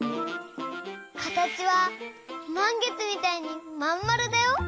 かたちはまんげつみたいにまんまるだよ。